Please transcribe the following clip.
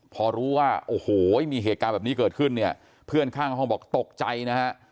พอรู้ว่าโอ้โหมีเหตุการณ์แบบนี้เกิดขึ้นเนี่ยเพื่อนข้างห้องบอกตกใจนะฮะ